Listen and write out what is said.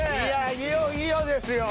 いよいよです。